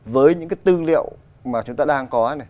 với những cái tư liệu mà chúng ta đang có này